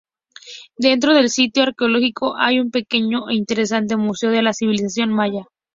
Dentro del sitio arqueológico hay un pequeño e interesante museo de la civilización maya.